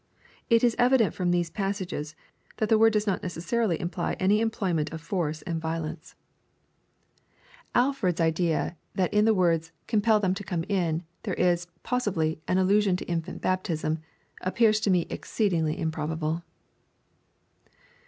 It is evi dent from these passages, that the word does not necessarily im ply any employment of force and violence. 166 EXPOSITOiiY THOUGHTS. Alford'a idea that in the words "compel them to come in," there is possibly " an allusion to infant baptism," appears to me ex ceedingly improbable.